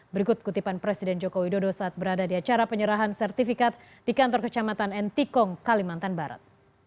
berikut kutipan presiden joko widodo saat berada di acara penyerahan sertifikat di kantor kecamatan ntkong kalimantan barat